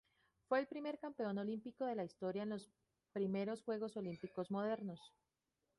Fue el primer campeón olímpico de la historia en los I Juegos Olímpicos modernos.